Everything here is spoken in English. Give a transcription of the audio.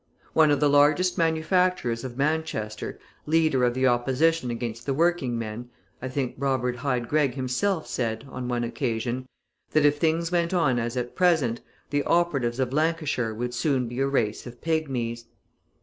One of the largest manufacturers of Manchester, leader of the opposition against the working men, I think Robert Hyde Greg himself, said, on one occasion, that if things went on as at present, the operatives of Lancashire would soon be a race of pigmies.